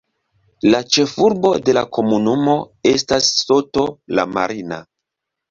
La ĉefurbo de la komunumo estas Soto la Marina.